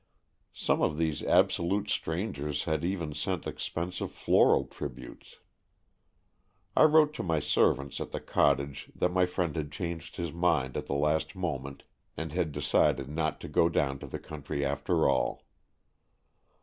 Some of these abso lute strangers had even sent expensive floral tributes. I wrote to my servants at the cot tage that my friend had changed his mind at the last moment and had decided not to go down to the country after all.